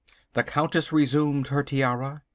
The Countess resumed her tiara.